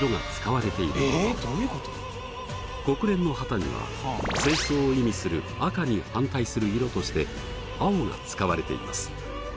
国連の旗には戦争を意味する赤に反対する色として青が使われています。